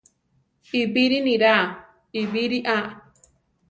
Ibiri niraa ibiri á.